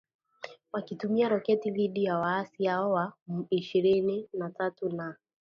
Wakitumia roketi dhidi ya waasi hao wa M ishirini na tatu na